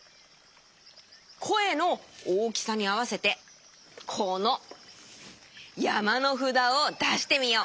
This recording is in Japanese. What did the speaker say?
こえの大きさにあわせてこのやまのふだをだしてみよう。